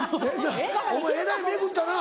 お前えらい巡ったな。